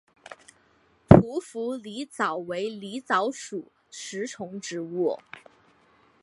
匍匐狸藻为狸藻属食虫植物。